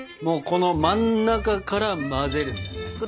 もうこの真ん中から混ぜるんだよね。